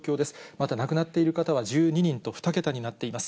また亡くなっている方は１２人と、２桁になっています。